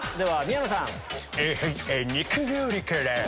はい肉料理から。